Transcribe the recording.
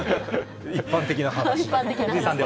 一般的な話。